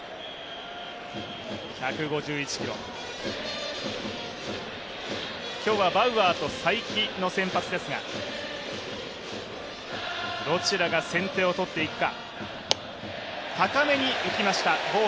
１５１ｋｍ、今日はバウアーと才木の先発ですが、どちらが先手を取っていくか。